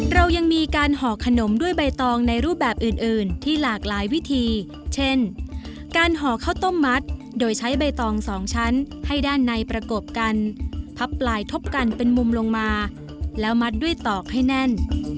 เรายังมีการห่อขนมด้วยใบตองในรูปแบบอื่นที่หลากหลายวิธีเช่นการห่อข้าวต้มมัดโดยใช้ใบตองสองชั้นให้ด้านในประกบกันพับปลายทบกันเป็นมุมลงมาแล้วมัดด้วยตอกให้แน่น